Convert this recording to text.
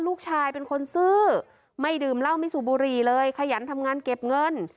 ลูกชายเป็นคนซื้อไม่ดื่มเหล้าไม่สูบบุหรี่เลยขยันทำงานเก็บเงิน